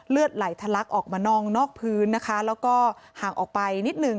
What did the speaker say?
เลือดไหล่ทะลักออกมานอกพื้นแล้วก็ห่างออกไปนิดนึง